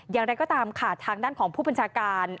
อย่างไรก็ตามค่ะทางด้านของผู้บัญชาการ